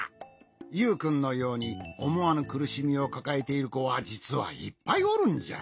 ユウくんのようにおもわぬくるしみをかかえているこはじつはいっぱいおるんじゃ。